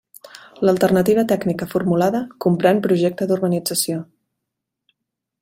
L'alternativa tècnica formulada comprén projecte d'urbanització.